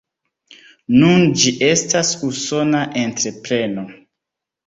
Nun ĝi estas Usona entrepreno.